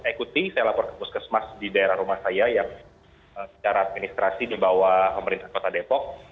ikuti saya lapor ke puskesmas di daerah rumah saya yang secara administrasi di bawah pemerintah kota depok